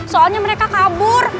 soalnya mereka kabur